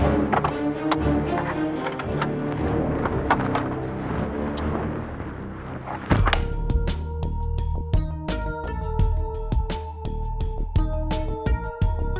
ibu gak punya hak buat